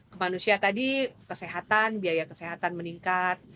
ke manusia tadi kesehatan biaya kesehatan meningkat